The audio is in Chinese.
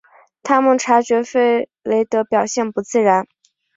他们察觉弗雷德表现不自然。